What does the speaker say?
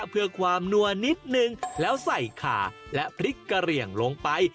เพื่อความนัวนิดนึงแล้วใส่ขาและพริกกะเหลี่ยงลงไป